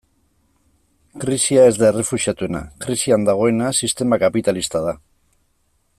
Krisia ez da errefuxiatuena, krisian dagoena sistema kapitalista da.